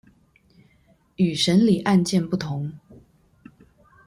與審理案件不同